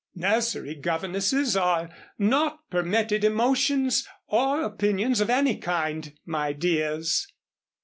Nursery governesses are not permitted emotions or opinions of any kind, my dears."